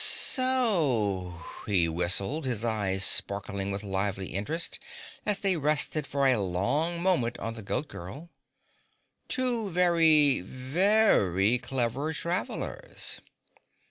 "So," he whistled, his eyes sparkling with lively interest as they rested for a long moment on the Goat Girl. "Two very, VERY clever travellers."